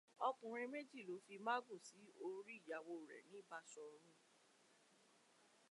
Ọkùnrin méjì ló fi mágùn sí orí ìyàwó rẹ̀ ní Bashọ̀run